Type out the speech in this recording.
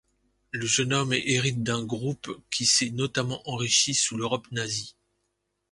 Le jeune homme hérite d'un groupe qui s'est notamment enrichi sous l'Europe nazie.